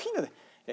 え